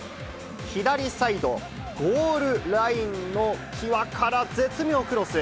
左サイド、ゴールラインの際から絶妙クロス。